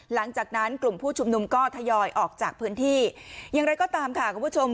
หลังจากนั้นกลุ่มผู้ชุมนุมก็ทยอยออกจากพื้นที่อย่างไรก็ตามค่ะคุณผู้ชม